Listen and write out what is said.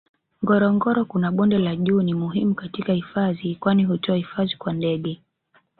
Ngorongoro kuna Bonde la juu ni muhimu katika hifadhi kwani hutoa hifadhi kwa ndege